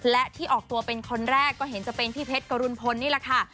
และที่ออกตัวเป็นคนแรกก็เห็นจะเป็นพี่เพชรกรุณพลนี่แหละค่ะ